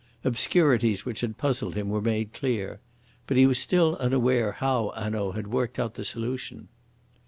Obscurities which had puzzled him were made clear. But he was still unaware how Hanaud had worked out the solution.